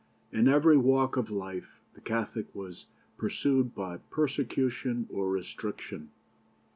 In every walk of life the Catholic was pursued by persecution or restriction.